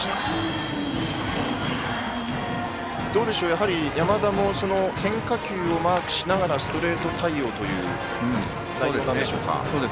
やはり、山田も変化球をマークしながらストレート対応なんでしょうか。